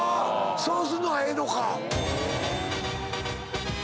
そうすんのがええのか。